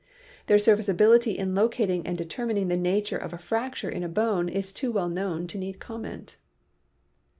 Their serviceability in locating and deter mining the nature of a fracture in a bone is too well known to need comment.